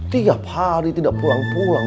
tiga hari tidak pulang pulang